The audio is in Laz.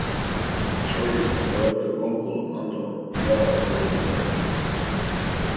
Çoyis oxorepe gonǩoluman do noğas kodolibğenan.